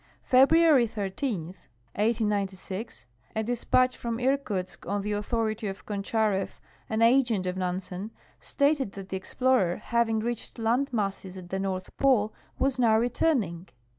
Fehruaiy 13, 1896, a dispatch from Irkutsk, on the authority of Konchnareff, an agent of Nansen, stated that the explorer, having reached land masses at the North Pole, was now returning.